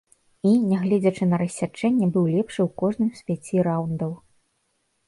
І, нягледзячы на рассячэнне, быў лепшы у кожным з пяці раўндаў.